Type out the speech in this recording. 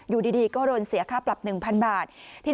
อยู่ดีก็โดนเสียค่าปรับหนึ่งพันบาท